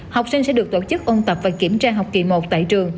học sinh sẽ được tổ chức ôn tập và kiểm tra học kỳ một tại trường